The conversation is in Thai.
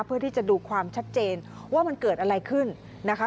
เพื่อที่จะดูความชัดเจนว่ามันเกิดอะไรขึ้นนะคะ